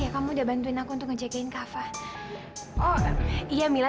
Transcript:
kalian berdua udah menjagiti hati kamila